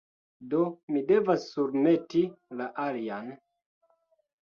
Do, mi devas surmeti la alian